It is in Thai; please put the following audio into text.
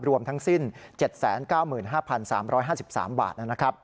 รวมทั้งสิ้น๗๙๕๓๕๓บาทนั่นนะครับ